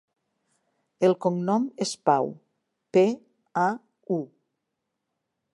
El cognom és Pau: pe, a, u.